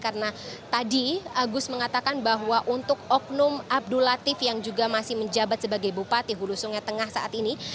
karena tadi agus mengatakan bahwa untuk oknum abdul latif yang juga masih menjabat sebagai bupati hulu sungai tengah saat ini